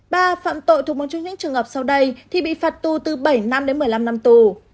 ba phạm tội thuộc một trong những trường hợp sau đây thì bị phạt tù từ bảy năm đến một mươi năm năm tù